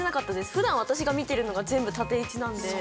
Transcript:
普段私が見てるのが全部縦位置なんで。